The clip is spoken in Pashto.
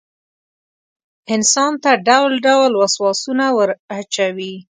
انسان ته ډول ډول وسواسونه وراچوي.